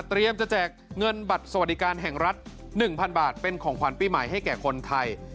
จะแจกเงินบัตรสวัสดิการแห่งรัฐ๑๐๐บาทเป็นของขวัญปีใหม่ให้แก่คนไทย